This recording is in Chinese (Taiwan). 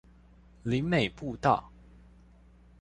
林美步道